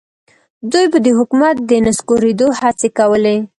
دوی به د حکومت د نسکورېدو هڅې کولې.